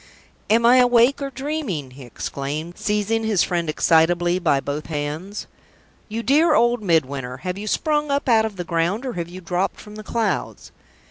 "Am I awake or dreaming?" he exclaimed, seizing his friend excitably by both hands. "You dear old Midwinter, have you sprung up out of the ground, or have you dropped from the clouds?"